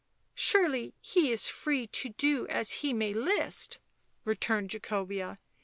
" Surely he is free to do as he may list," returned Jacobea.